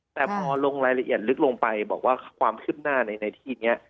แต่พอลงรายละเอียดลึกลงไปบอกว่าความคืบหน้าในที่นี้